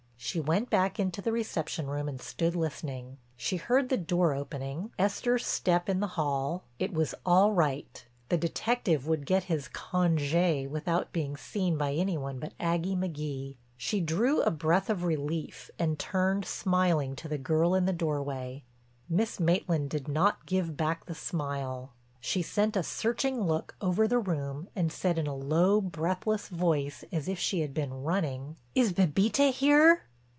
She went back into the reception room and stood listening. She heard the door opening, Esther's step in the hall; it was all right, the detective would get his congé without being seen by any one but Aggie McGee. She drew a breath of relief and turned smiling to the girl in the doorway. Miss Maitland did not give back the smile; she sent a searching look over the room and said in a low, breathless voice as if she had been running: "Is Bébita here?"